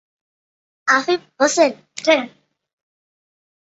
Afif Hossain